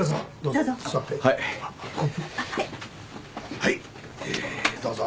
はいどうぞ。